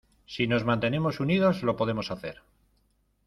Si nos mantenemos unidos lo podemos hacer.